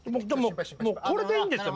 これでいいんですよ。